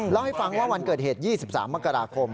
เล่าให้ฟังว่าวันเกิดเหตุ๒๓มกราคม